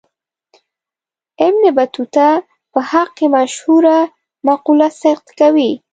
ابن بطوطه په حق کې مشهوره مقوله صدق کوي.